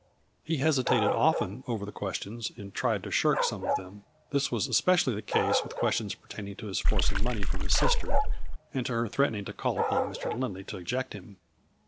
He hesitated often over the questions, and tried to shirk some of them. This was especially the case with questions pertaining to his forcing money from his sister, and to her threatening to call upon Mr. Lindley to eject him.